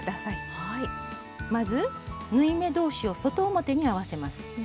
まず縫い目同士を外表に合わせます。